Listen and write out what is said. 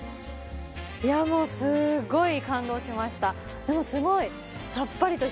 いやあもうすごい感動しました。